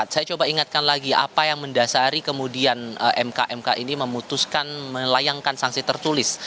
saya coba ingatkan lagi apa yang mendasari kemudian mk mk ini memutuskan melayangkan sanksi tertulis